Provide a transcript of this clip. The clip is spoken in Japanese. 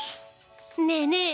ねえねえ